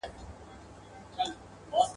چي هوښيار دي نن سبا ورنه كوچېږي !.